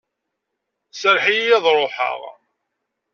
Serreḥ-iyi ad ruḥeɣ!